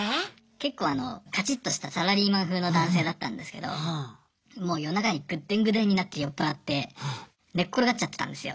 けっこうかちっとしたサラリーマン風の男性だったんですけどもう夜中にぐでんぐでんになって酔っ払って寝っ転がっちゃってたんですよ。